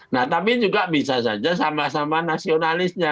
nah tapi juga bisa saja sama sama nasionalisnya